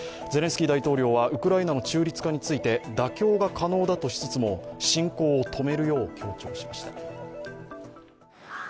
ゼレンスキー大統領は、ウクライナの中立化について妥協が可能だとしつつも、侵攻を止めるよう強調しました。